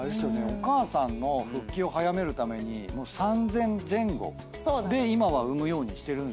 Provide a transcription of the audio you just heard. お母さんの復帰を早めるために３，０００前後で今は産むようにしてるんですよね。